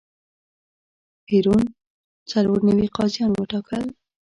پېرون څلور نوي قاضیان وټاکل.